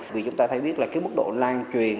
vì chúng ta thấy biết là mức độ lan truyền